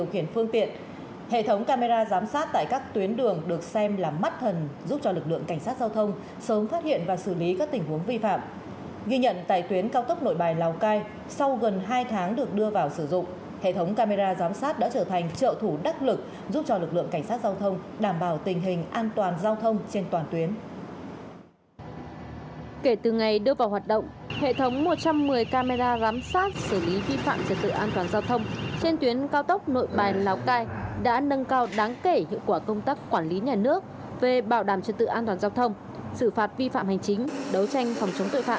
hệ thống camera giám sát đã giúp lực lượng cảnh sát giao thông phát hiện hơn một năm trăm linh trường hợp vi phạm